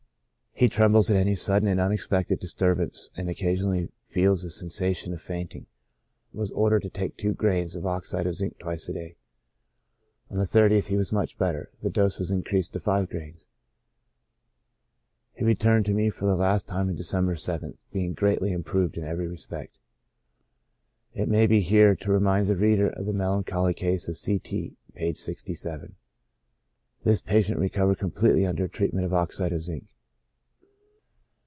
He trembles at any sudden and unexpected dis turbance, and occasionally feels a sensation of fainting. Was ordered to take tv^o grains of oxide of zinc twice a day. On the 30th he was much better ; the dose was increased to five grains. He returned to me for the last time on De cember 7th, being greatly improved in every respect. It may be well here to remind the reader of the melan choly case of C. T —, (page 67). This patient recovered completely under a treatment of oxide of zinc.